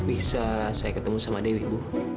bisa saya ketemu sama dewi bu